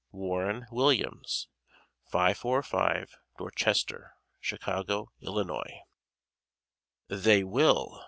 Warren Williams, 545 Dorchester, Chicago, Illinois. _They Will!